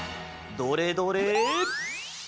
どれどれ？